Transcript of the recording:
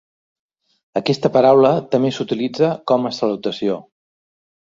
Aquesta paraula també s'utilitza com a salutació.